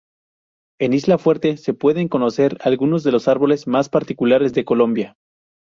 En isla Fuerte se pueden conocer algunos de los árboles más particulares de Colombia.